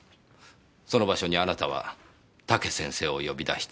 その場所にあなたは武先生を呼び出して殺害した。